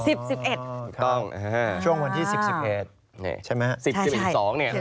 ๑๐๑๑ครับช่วงวันที่๑๐๑๑ใช่ไหมครับ